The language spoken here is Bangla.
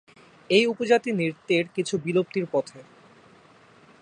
এই উপজাতি নৃত্যের কিছু বিলুপ্তির পথে।